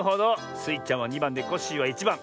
スイちゃんは２ばんでコッシーは１ばん。